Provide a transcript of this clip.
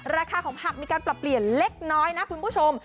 ราคาของผักมีการปรับเปลี่ยนเล็กน้อยนะคุณผู้ชม